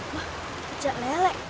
wah pecek lele